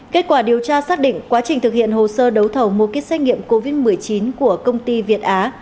kết quả điều tra xác định quá trình thực hiện hồ sơ đấu thầu mua kích xét nghiệm covid một mươi chín của công ty việt á